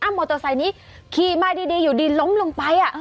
มอเตอร์ไซค์นี้ขี่มาดีอยู่ดีล้มลงไป